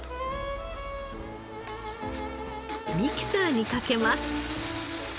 ミキサーにかけます。